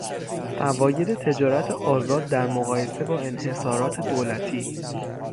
فواید تجارت آزاد در مقایسه با انحصارات دولتی